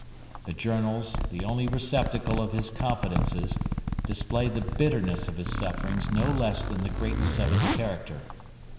The Journals, the only receptacle of his confidences, display the bitterness of his sufferings no less than the greatness of his character.